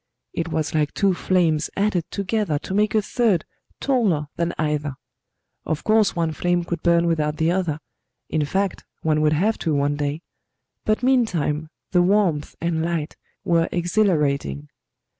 It was like two flames added together to make a third taller than either: of course one flame could burn without the other in fact, one would have to, one day but meantime the warmth and light were exhilarating.